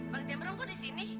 bang jamrong kok disini